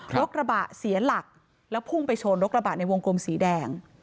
รถกระบะเสียหลักแล้วพุ่งไปชนรถกระบะในวงกลมสีแดง